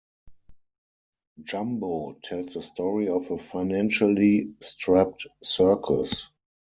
"Jumbo" tells the story of a financially strapped circus.